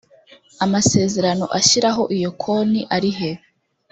amasezerano ashyiraho iyo konti arihe